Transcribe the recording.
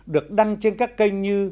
được đăng trên các kênh như